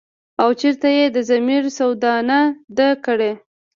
او چرته ئې د ضمير سودا نه ده کړې ۔”